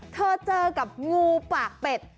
เธอเจอกับงูปากเป็ด